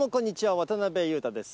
渡辺裕太です。